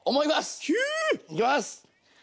いきます！